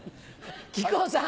木久扇さん。